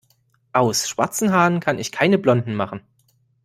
Aus schwarzen Haaren kann ich Ihnen keine blonden machen.